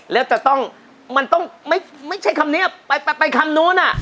แล้วจะต้องมันต้องไม่ใช่คำนี้ไปคำนู้นอ่ะ